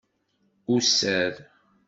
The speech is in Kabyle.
User.